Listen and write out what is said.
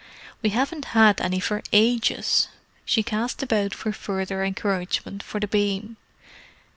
"We haven't had any for ages." She cast about for further encouragement for the beam.